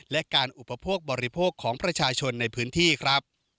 และการอุปโภคบริโภคของประชาชนในพื้นที่ครับ